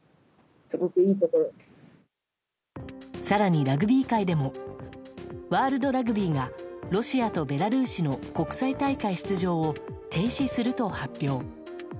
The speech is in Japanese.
更にラグビー界でもワールドラグビーがロシアとベラルーシの国際大会出場を停止すると発表。